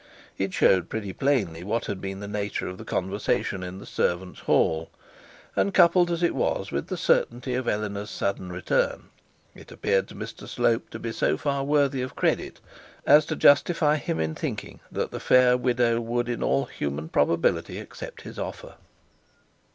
It showed pretty plainly what had been the nature of the conversation in the servants' hall; and coupled as it was with the certainty of Eleanor's sudden return, it appeared to Mr Slope to be so far worthy of credit as to justify him in thinking that the fair widow would in all human probability accept his offer.